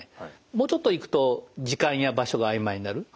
もうちょっといくと時間や場所があいまいになる。